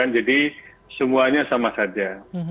jadi semuanya sama saja